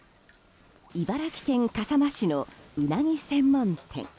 茨城県笠間市のウナギ専門店。